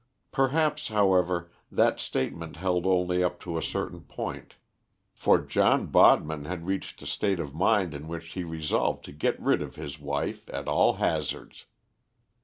Perhaps, however, that statement held only up to a certain point, for John Bodman had reached a state of mind in which he resolved to get rid of his wife at all hazards.